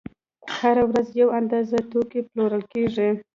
هره ورځ یوه اندازه توکي پلورل کېږي